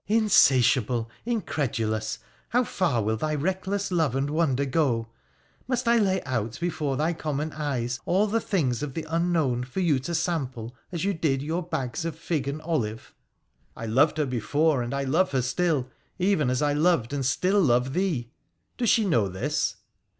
' Insatiable ! incredulous ! how far will thy reckless love and wonder go ? Must I lay out before thy common eyes all the things of the unknown for you to sample as you did your bags of fig and olive ?'' I loved her before, and I love her still, even as I loved and still love thee. Does she know this